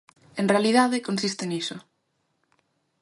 En realidade consiste niso.